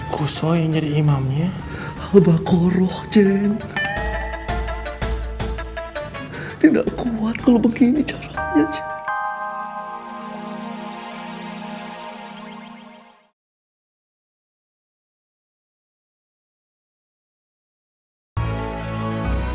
kusoi nyari imamnya al baqarah jane tidak kuat kalau begini caranya